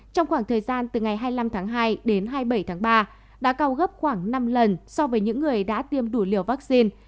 trong khoảng thời gian từ ngày hai mươi năm tháng hai đến hai mươi bảy tháng ba đã cao gấp khoảng năm lần so với những người đã tiêm đủ liều vaccine